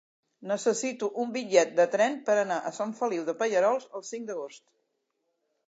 Necessito un bitllet de tren per anar a Sant Feliu de Pallerols el cinc d'agost.